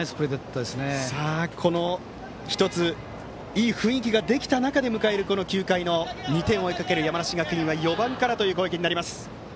いい雰囲気ができた中で迎える９回の２点を追いかける山梨学院は４番からの攻撃。